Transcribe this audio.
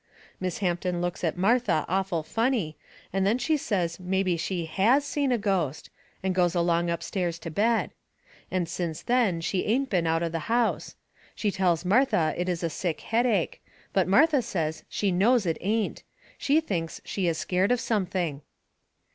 Miss Hampton looks at Martha awful funny, and then she says mebby she HAS seen a ghost, and goes along upstairs to bed. And since then she ain't been out of the house. She tells Martha it is a sick headache, but Martha says she knows it ain't. She thinks she is scared of something.